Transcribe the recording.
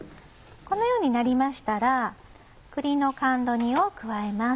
このようになりましたら栗の甘露煮を加えます。